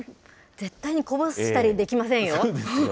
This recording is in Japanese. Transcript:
絶対にこぼしたりできませんよ。